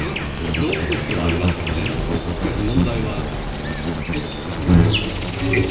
動機としてはありますがねしかし問題は「えつ」。